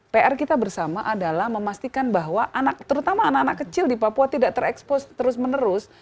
pr kita bersama adalah memastikan bahwa anak terutama anak anak kecil di papua tidak terekspos terus menerus